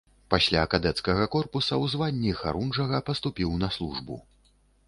Пасля кадэцкага корпуса ў званні харунжага паступіў на службу.